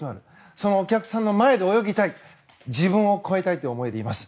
そのお客さんの前で泳ぎたい自分を超えたいという思いでいます。